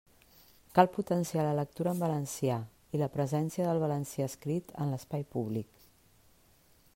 Cal potenciar la lectura en valencià i la presència del valencià escrit en l'espai públic.